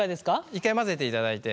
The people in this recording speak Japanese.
１回混ぜていただいて。